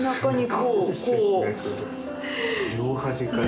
両端から。